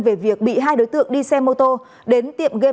về việc bị hai đối tượng đi xe mô tô đến tiệm game